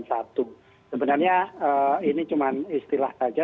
sebenarnya ini cuma istilah saja